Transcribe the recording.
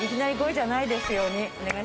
５位じゃないですように。